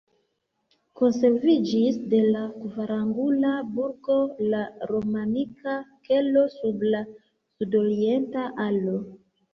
Konserviĝis de la kvarangula burgo la romanika kelo sub la sudorienta alo.